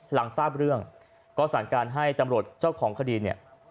หลังทราบเรื่องก็สั่งการให้ตำรวจเจ้าของคดีเนี่ย